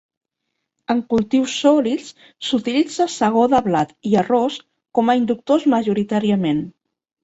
En cultius sòlids s’utilitza segó de blat i arròs com a inductors majoritàriament.